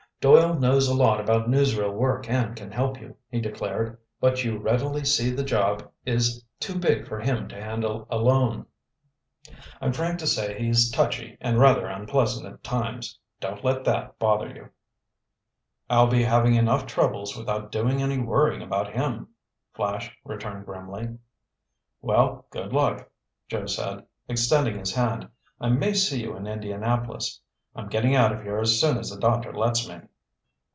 "Doyle knows a lot about newsreel work and can help you," he declared. "But you readily see the job is too big for him to handle alone. I'm frank to say he's touchy and rather unpleasant at times. Don't let that bother you." "I'll be having enough troubles without doing any worrying about him," Flash returned grimly. "Well, good luck," Joe said, extending his hand. "I may see you in Indianapolis. I'm getting out of here as soon as the doctor lets me."